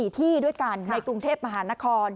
๔ที่ด้วยกันในกรุงเทพมหานคร